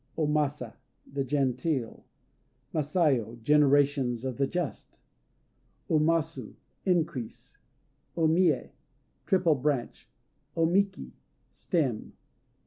O Masa "The Genteel." Masayo "Generations of the Just." O Masu "Increase." O Mië "Triple Branch." O Miki "Stem."